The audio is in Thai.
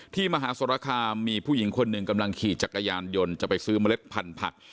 มหาสรคามมีผู้หญิงคนหนึ่งกำลังขี่จักรยานยนต์จะไปซื้อเมล็ดพันธุ์ผัก